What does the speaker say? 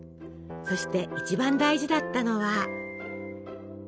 そして一番大事だったのは。